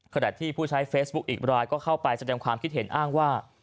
ขณะที่ผู้ใช้เฟซบุ๊คอีกรายก็เข้าไปแสดงความคิดเห็นอ้างว่า